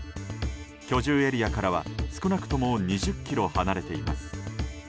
居住エリアからは少なくとも２０ｋｍ離れています。